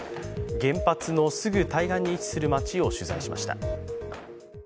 原発のすぐ対岸に位置する町を取材しました。